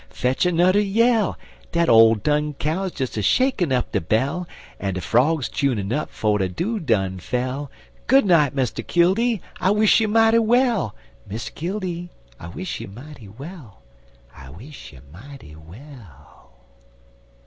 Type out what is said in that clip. fetch anudder yell: Dat ole dun cow's des a shakin' up 'er bell, En de frogs chunin' up 'fo' de jew done fell: Good night, Mr. Killdee! I wish you mighty well! Mr. Killdee! I wish you mighty well! I wish you mighty well!